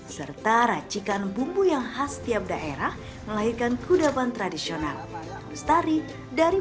serta racikan bumbu yang khas tiap daerah melahirkan kudapan tradisional mustari dari